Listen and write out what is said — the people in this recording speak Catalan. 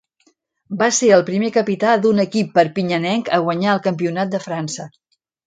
Va ser el primer capità d'un equip perpinyanenc a guanyar el campionat de França.